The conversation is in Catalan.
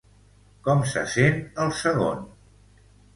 Com se sent el segon?